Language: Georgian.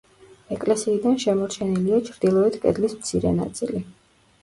ეკლესიიდან შემორჩენილია ჩრდილოეთ კედლის მცირე ნაწილი.